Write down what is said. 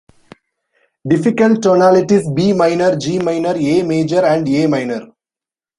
Difficult tonalities: B minor, G minor, A major and A minor.